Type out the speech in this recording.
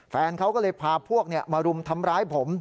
แฟนเขาก็เลยพาพวกมารุมทำร้ายผม